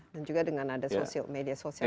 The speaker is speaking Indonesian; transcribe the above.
dan juga dengan ada media sosial